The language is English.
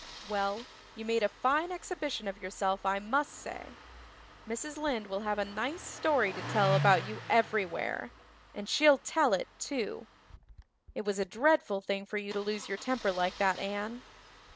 "Well, you made a fine exhibition of yourself I must say. Mrs. Lynde will have a nice story to tell about you everywhere and she'll tell it, too. It was a dreadful thing for you to lose your temper like that, Anne."